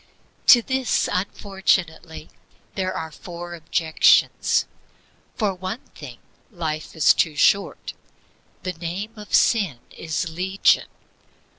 To this, unfortunately, there are four objections: For one thing, life is too short; the name of sin is legion.